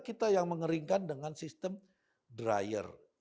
kita yang mengeringkan dengan sistem dryer